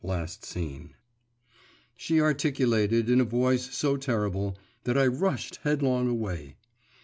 Last Scene. she articulated, in a voice so terrible that I rushed headlong away.